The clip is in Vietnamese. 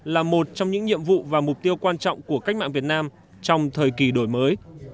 là một trong những nhiệm vụ và mục tiêu quan trọng của cách mạng việt nam trong thời kỳ đổi mới